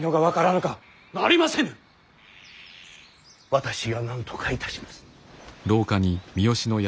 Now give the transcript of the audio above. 私がなんとかいたします。